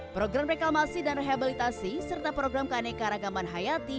program reklamasi dan rehabilitasi serta program keaneka ragaman hayati